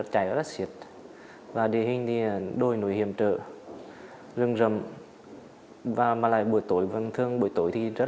chạy rất xịt và địa hình đi đôi núi hiểm trợ rừng rầm và mà lại buổi tối vẫn thương buổi tối thì rất